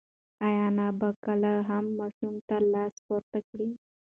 ایا انا به بیا کله هم ماشوم ته لاس پورته کړي؟